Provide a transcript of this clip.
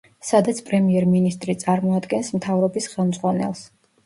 სადაც პრემიერ-მინისტრი წარმოადგენს მთავრობის ხელმძღვანელს.